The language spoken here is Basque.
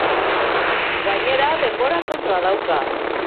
Gainera, denbora kontra dauka.